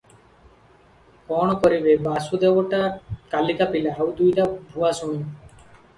କ’ଣ କରିବେ – ବାସୁଦେବଟା କାଲିକା ପିଲା, ଆଉ ଦୁଇଟା ଭୁଆସୁଣୀ ।